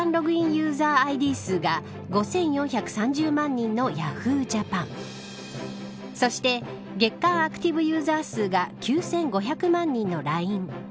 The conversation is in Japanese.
ユーザーＩＤ数が５４３０万人のＹａｈｏｏ！ＪＡＰＡＮそして月間アクティブユーザー数が９５００万人のＬＩＮＥ。